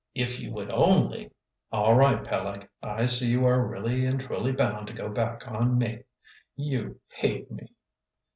If you would only " "All right, Peleg, I see you are really and truly bound to go back on me. You hate me!"